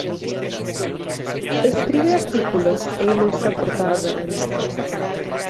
Escribe artículos e ilustra portadas de revistas.